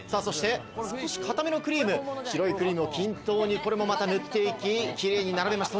少し固めのクリーム、白いクリームを均等にこれもまた塗っていき、キレイに並べます。